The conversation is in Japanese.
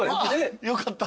よかった。